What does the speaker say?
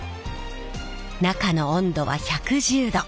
中の温度は１１０℃。